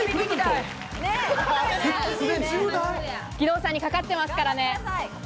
義堂さんにかかっていますからね。